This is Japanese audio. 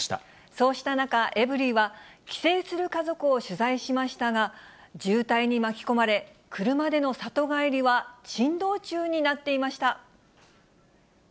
そうした中、エブリィは、帰省する家族を取材しましたが、渋滞に巻き込まれ、車での里帰りは珍道中になっていました。